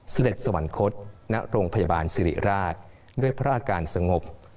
เสด็จสวรรคตณโรงพยาบาลสิริราชด้วยพระอาการสงบ